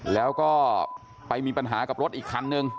แล้วก็ไปมีปัญหากับรถอีกคันนึง